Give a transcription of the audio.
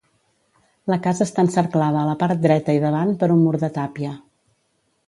La casa està encerclada a la part dreta i davant per un mur de tàpia.